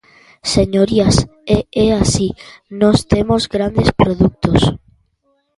Señorías, e é así, nós temos grandes produtos.